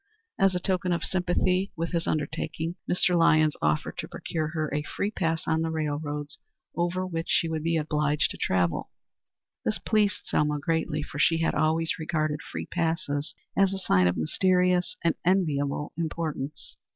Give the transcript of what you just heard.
As a token of sympathy with this undertaking, Mr. Lyons offered to procure her a free pass on the railroads over which she would be obliged to travel. This pleased Selma greatly, for she had always regarded free passes as a sign of mysterious and enviable importance.